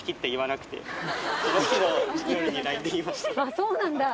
そうなんだ。